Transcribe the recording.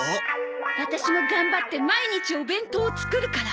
ワタシも頑張って毎日お弁当を作るから。